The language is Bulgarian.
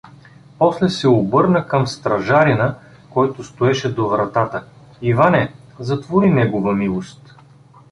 После се обърна към стражарина, който стоеше до вратата: — Иване, затвори негова милост.